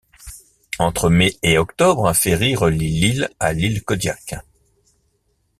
Entre mai et octobre un ferry relie l'île à l'Île Kodiak.